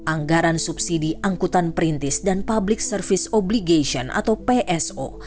anggaran subsidi angkutan perintis dan public service obligation atau pso